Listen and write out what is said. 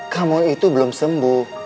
kamu itu belum sembuh